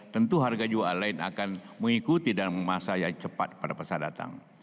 tentu harga jual lain akan mengikuti dalam masa yang cepat pada masa datang